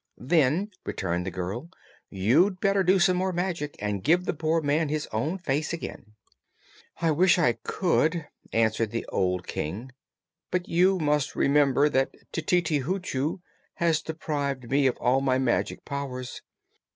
"Then," returned the girl, "you'd better do some more magic and give the poor man his own face again." "I wish I could," answered the old King; "but you must remember that Tititi Hoochoo has deprived me of all my magic powers.